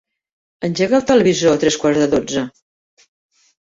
Engega el televisor a tres quarts de dotze.